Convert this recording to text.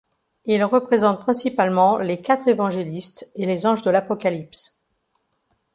Il représente principalement les quatre Évangélistes et les anges de l’Apocalypse.